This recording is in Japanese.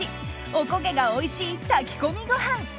おこげがおいしい炊き込みごはん。